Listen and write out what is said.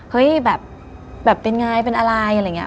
เฮ้ยแบบเป็นไงเป็นอะไรอะไรอย่างนี้